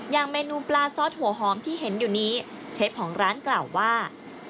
เมนูปลาซอสหัวหอมที่เห็นอยู่นี้เชฟของร้านกล่าวว่า